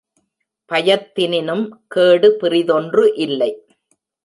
பயத்தினினும் கேடு பிறிதொன்று இல்லை.